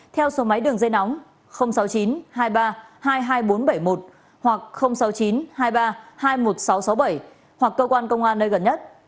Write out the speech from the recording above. theo số máy đường dây nóng sáu mươi chín hai mươi ba hai mươi hai nghìn bốn trăm bảy mươi một hoặc sáu mươi chín hai mươi ba hai mươi một nghìn sáu trăm sáu mươi bảy hoặc cơ quan công an nơi gần nhất